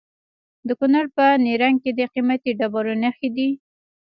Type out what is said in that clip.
د کونړ په نرنګ کې د قیمتي ډبرو نښې دي.